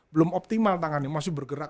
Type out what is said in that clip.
belum optimal tangannya masih bergerak